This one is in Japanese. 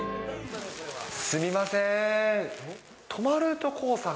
すみません。